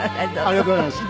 ありがとうございます。